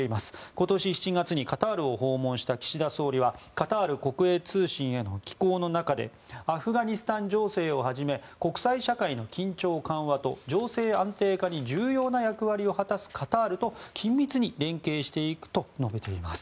今年７月にカタールを訪問した岸田総理はカタール国営通信への寄稿の中でアフガニスタン情勢をはじめ国際社会の緊張緩和と情勢安定化に重要な役割を果たすカタールと緊密に連携していくと述べています。